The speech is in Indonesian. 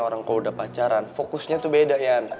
orang kalau udah pacaran fokusnya tuh beda ya